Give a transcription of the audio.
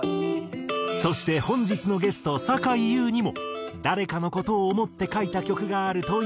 そして本日のゲストさかいゆうにも誰かの事を想って書いた曲があるという。